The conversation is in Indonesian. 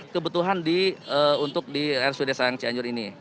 kebutuhan untuk di rsud sayang cianjur ini